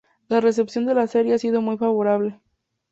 La recepción de la serie ha sido muy favorable.